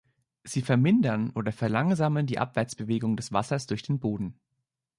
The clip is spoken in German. Sie vermindern oder verlangsamen die Abwärtsbewegung des Wassers durch den Boden.